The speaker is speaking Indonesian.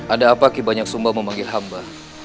ada apa ki banyak sumba memanggil hamba